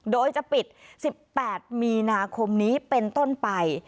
โดยจะปิด๑๘มีนาคมนี้เป็นต้นไป